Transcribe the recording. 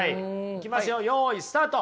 いきますよよいスタート。